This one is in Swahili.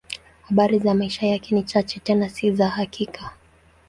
Habari za maisha yake ni chache, tena si za hakika.